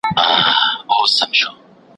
زه به سبا د درسونو يادوم